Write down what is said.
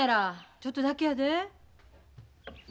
ちょっとだけやで。